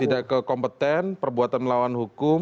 tidak kekompeten perbuatan melawan hukum